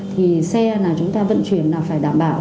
thì xe là chúng ta vận chuyển là phải đảm bảo